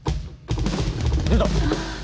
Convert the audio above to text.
出た！